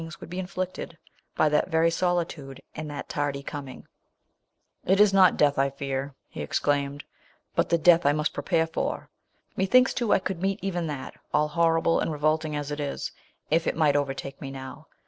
would be inflicted by that very soli tude and that tardy comin? !" It is not (loath 1 fear," },>• claimed, "but the death I must pre pare for! Methinks, too, I could meet even that — all ln>rrible and re volting as it is — if it might overtake me now.